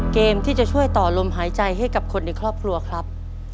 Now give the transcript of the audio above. เกมที่จะช่วยต่อลมหายใจให้กับคนในครอบครัวครับ